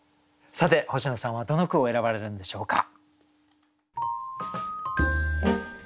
さて星野さんはどの句を選ばれるんでしょうか？